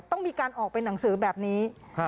ต้องมีการออกเป็นหนังสือแบบนี้